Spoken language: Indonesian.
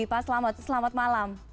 pak selamat selamat malam